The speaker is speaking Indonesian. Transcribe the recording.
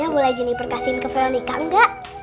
boleh juniper kasihin ke veronica enggak